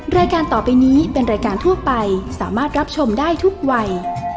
รายการต่อไปนี้เป็นรายการทั่วไปสามารถรับชมได้ทุกวัย